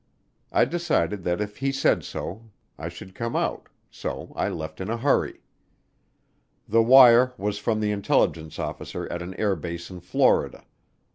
I decided that if he said so I should come out, so I left in a hurry. The wire was from the intelligence officer at an air base in Florida.